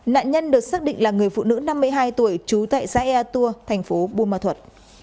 nạn nhân được xác định là người phụ nữ năm mươi hai tuổi trú tại xã ea tua thành phố buôn ma thuật